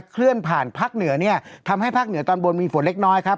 เคลื่อนผ่านภาคเหนือเนี่ยทำให้ภาคเหนือตอนบนมีฝนเล็กน้อยครับ